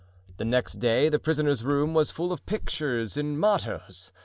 The next day the prisoner's room was full of pictures and mottoes.